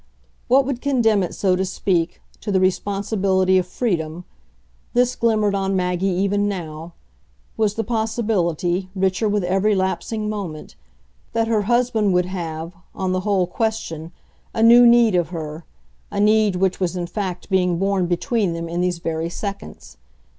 What would condemn it, so to speak, to the responsibility of freedom this glimmered on Maggie even now was the possibility, richer with every lapsing moment, that her husband would have, on the whole question, a new need of her, a need which was in fact being born between them in these very seconds.